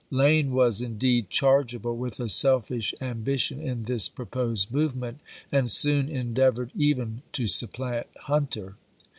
Lane was, indeed, chargeable with a selfish ambition in this pro posed movement, and soon endeavored even to supplant Hunter.